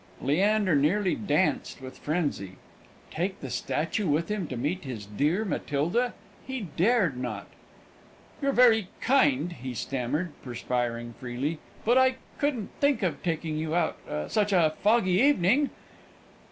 Leander nearly danced with frenzy. Take the statue with him to meet his dear Matilda! He dared not. "You're very kind," he stammered, perspiring freely; "but I couldn't think of taking you out such a foggy evening."